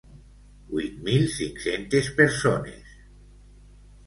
Huit mil cinc-centes persones.